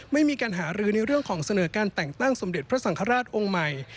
ไม่มีการหารือในเรื่องของเสนอการแต่งตั้งสมเด็จพระสังฆราชองค์ใหม่